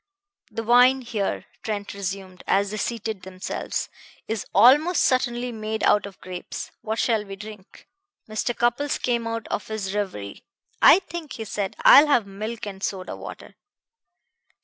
"The wine here," Trent resumed, as they seated themselves, "is almost certainly made out of grapes. What shall we drink?" Mr. Cupples came out of his reverie. "I think," he said, "I will have milk and soda water."